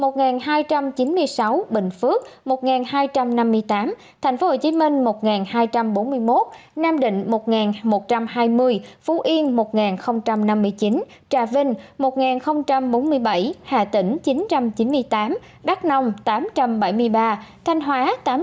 tuyên quang hai hai trăm chín mươi sáu bình phước một hai trăm năm mươi tám tp hcm một hai trăm bốn mươi một nam định một một trăm hai mươi phú yên một năm mươi chín trà vinh một bốn mươi bảy hà tĩnh chín trăm chín mươi tám đắk nông tám trăm bảy mươi ba thanh hóa tám trăm bốn mươi tám